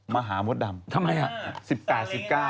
มาหามสดำ